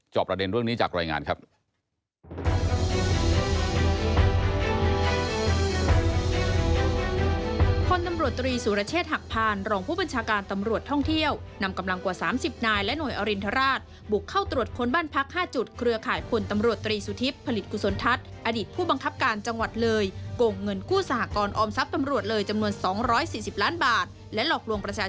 ประเด็นเรื่องนี้จากรายงานครับ